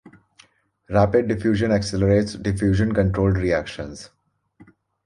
Rapid diffusion accelerates diffusion controlled reactions.